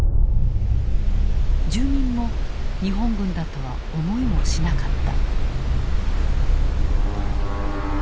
住民も日本軍だとは思いもしなかった。